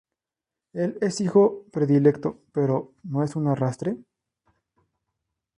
Él es el "hijo predilecto", pero "¿no es un arrastre?".